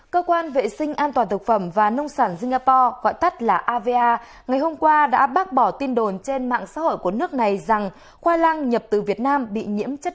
các bạn hãy đăng ký kênh để ủng hộ kênh của chúng mình nhé